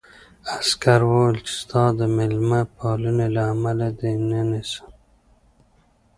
عسکر وویل چې ستا د مېلمه پالنې له امله دې نه نیسم